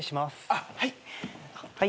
あっはい。